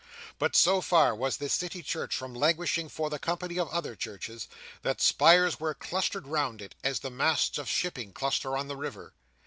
But so far was this city church from languishing for the company of other churches, that spires were clustered round it, as the masts of shipping cluster on the river.